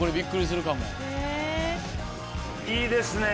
いいですね。